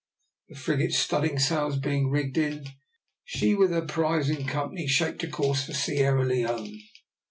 The frigate's studding sails being rigged in, she, with her prize in company, shaped a course for Sierra Leone.